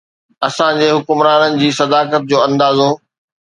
اسان جي حڪمرانن جي صداقت جو اندازو.